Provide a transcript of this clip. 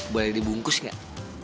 boleh dibungkus gak